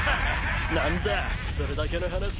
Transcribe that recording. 何だそれだけの話か。